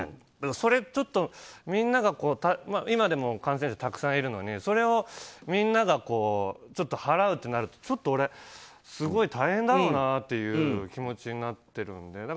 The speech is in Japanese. みんなが今でも感染者たくさんいるのにそれをみんなが払うとなるとちょっと俺、すごい大変だろうなという気持ちになってるので。